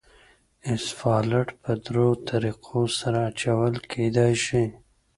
اسفالټ په دریو طریقو سره اچول کېدای شي